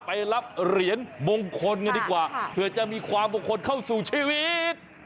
ไปรับเหรียญมงคลกันดีกว่าเผื่อจะมีความมงคลเข้าสู่ชีวิต